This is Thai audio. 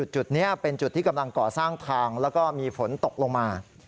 จุดนี้เป็นจุดที่กำลังก่อสร้างทางแล้วก็มีฝนตกลงมา